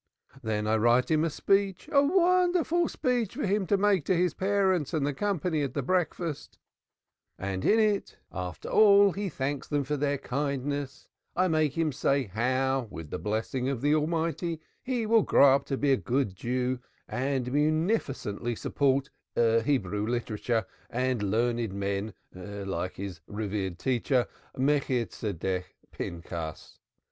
Then I write him a speech a wonderful speech for him to make to his parents and the company at the breakfast, and in it, after he thanks them for their kindness, I make him say how, with the blessing of the Almighty, he will grow up to be a good Jew, and munificently support Hebrew literature and learned men like his revered teacher, Melchitsedek Pinchas.